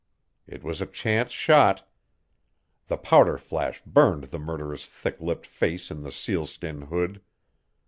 It was a chance shot. The powder flash burned the murderous, thick lipped face in the sealskin hood.